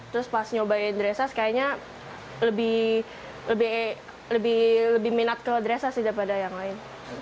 terus pas nyobain dressage kayaknya lebih minat kedress daripada yang lain